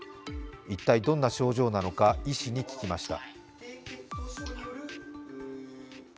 一体どんな症状なのか医師に聞きました。